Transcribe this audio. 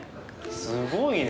すごいね。